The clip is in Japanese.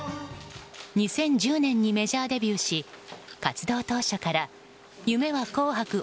２０１０年にメジャーデビューし活動当初から「夢は紅白！